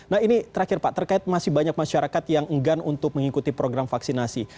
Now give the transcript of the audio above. nah ini terakhir pak terkait masih banyak masyarakat yang enggan untuk mengikuti program vaksinasi